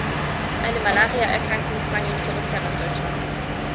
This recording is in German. Eine Malariaerkrankung zwang ihn zur Rückkehr nach Deutschland.